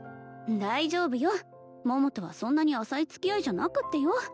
大丈夫よ桃とはそんなに浅い付き合いじゃなくってよ